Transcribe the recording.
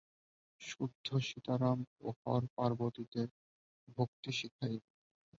শুদ্ধ সীতারাম ও হরপার্বতীতে ভক্তি শিখাইবে।